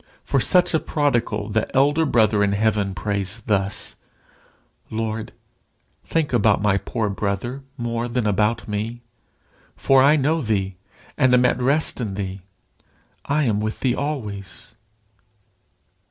For such a prodigal, the elder brother in heaven prays thus "Lord, think about my poor brother more than about me, for I know thee, and am at rest in thee. I am with thee always."